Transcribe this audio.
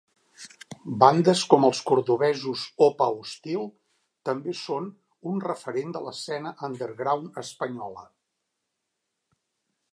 Bandes com els cordovesos Opa Hostil també són un referent de l'escena underground espanyola.